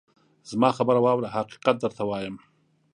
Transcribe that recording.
زما خبره واوره ! حقیقت درته وایم.